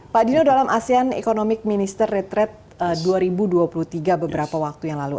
pak dino dalam asean economic minister retret dua ribu dua puluh tiga beberapa waktu yang lalu